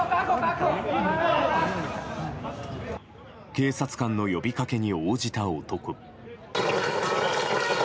警察官の呼びかけに応じた男。